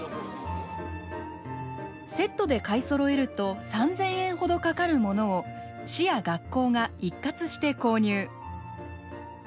セットで買いそろえると３，０００円ほどかかるものを市や学校が一括して購入。